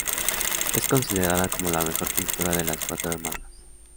Es considerada como la mejor pintora de las cuatro hermanas.